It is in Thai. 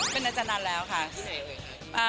เป็นอาจารย์นานแล้วค่ะ